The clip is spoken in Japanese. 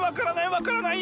分からない！